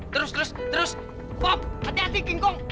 terus terus terus pom hati hati kenggong